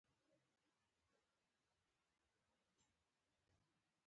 بلکې د دوه اتومي مالیکول په بڼه موندل کیږي.